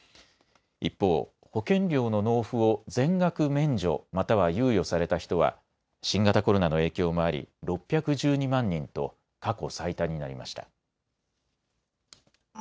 一方、保険料の納付を全額免除、または猶予された人は新型コロナの影響もあり６１２万人と過去最多になりました。